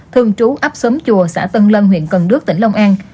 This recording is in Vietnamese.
thường trú ấp xóm chùa xã tân lân huyện cần đước tỉnh long an